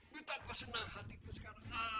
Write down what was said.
betapa senang hatiku sekarang